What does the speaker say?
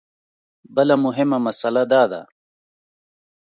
بله مهمه مسله دا ده.